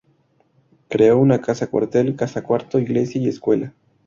Creó una casa cuartel, casa curato, iglesia y escuela.